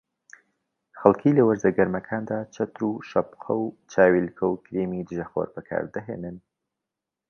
خەڵکی لە وەرزە گەرمەکاندا چەتر و شەپقە و چاویلکە و کرێمی دژەخۆر بەکاردەهێنن